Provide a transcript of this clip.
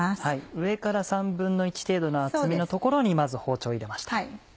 上から１／３程度の厚みの所にまず包丁を入れました。